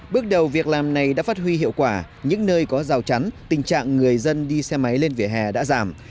bước đầu việc làm này đã phát huy hiệu quả những nơi có rào chắn tình trạng người dân đi xe máy lên vỉa hè đã giảm